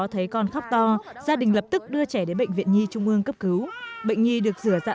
thấy con khóc to gia đình lập tức đưa trẻ đến bệnh viện nhi trung ương cấp cứu bệnh nhi được rửa dạ